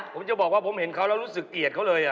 ผมจะบอกว่าผมเห็นเขาแล้วรู้สึกเกลียดเขาเลย